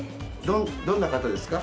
どんな方ですか？